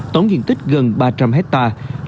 tổng diện tích gần ba trăm linh hectare